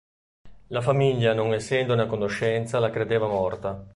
La famiglia non essendone a conoscenza la credeva morta.